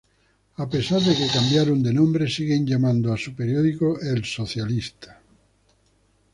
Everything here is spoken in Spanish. A pesar de que cambiaron de nombre, siguen llamando a su periódico "El Socialista,".